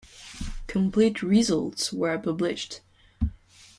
Complete results were published.